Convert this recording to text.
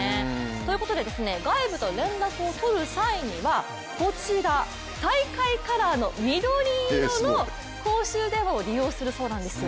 ということで外部と連絡を取る際には、こちら、大会カラーの緑色の公衆電話を利用するそうなんですよ。